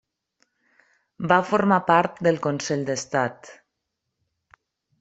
Va formar part del Consell d'Estat.